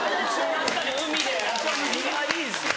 確かに海で。